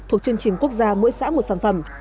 thuộc chương trình quốc gia mỗi xã một sản phẩm